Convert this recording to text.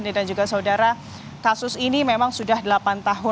membuat saya mendapat tahu